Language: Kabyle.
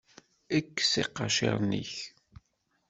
Kkes iqaciren-nnek.